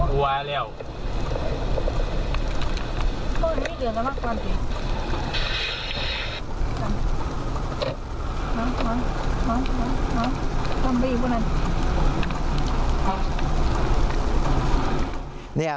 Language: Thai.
หาต้องไปยิงพวกนั้น